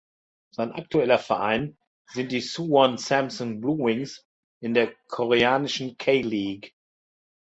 Sein aktueller Verein sind die Suwon Samsung Bluewings in der koreanischen K-League.